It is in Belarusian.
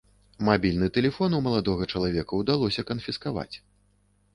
Мабільны тэлефон у маладога чалавека ўдалося канфіскаваць.